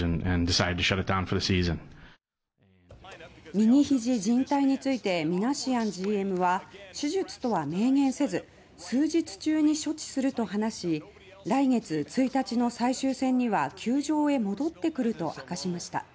右ひじ靱帯についてミナシアンＧＭは手術とは明言せず数日中に処置すると話し来月１日の最終戦には球場へ戻ってくると明かしました。